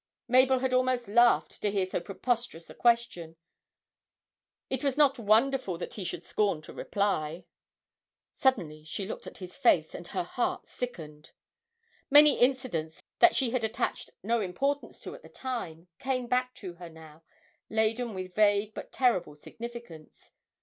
Mabel had almost laughed to hear so preposterous a question it was not wonderful that he should scorn to reply. Suddenly she looked at his face, and her heart sickened. Many incidents that she had attached no importance to at the time came back to her now laden with vague but terrible significance